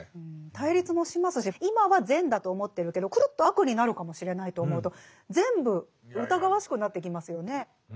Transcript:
対立もしますし今は善だと思ってるけどくるっと悪になるかもしれないと思うと全部疑わしくなってきますよね。